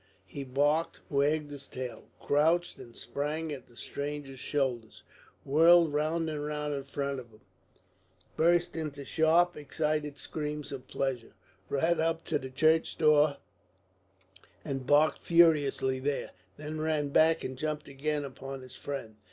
He barked, wagged his tail, crouched and sprang at the stranger's shoulders, whirled round and round in front of him, burst into sharp, excited screams of pleasure, ran up to the church door and barked furiously there, then ran back and jumped again upon his friend.